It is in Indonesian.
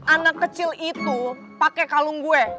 anak kecil itu pakai kalung gue